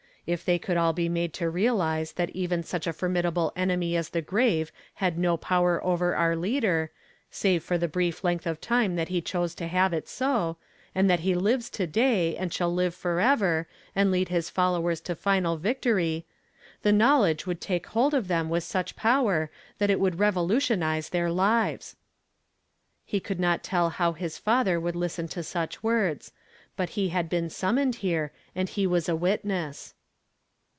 " If they could all be made to realize that even such a formidable enemy as the grave had no power over our Leader, save for the brief length of time that he chose to have it so, and that he lives to day, and shall live forever, and lead his followera to final victory, the knowledge would take hold of them with such power that it would revolutionize their lives." He could not tell how his father would listen to such words ; but he had been sum moned here, and he was a witness.